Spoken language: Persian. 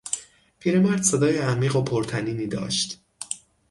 پیرمرد صدای عمیق و پرطنینی داشت.